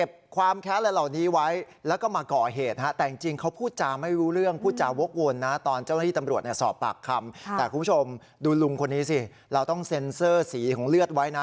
แต่คุณผู้ชมดูลุงคนนี้สิเราต้องเซ็นเซอร์สีของเลือดไว้นะ